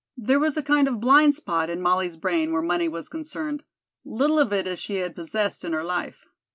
There was a kind of blind spot in Molly's brain where money was concerned, little of it as she had possessed in her life.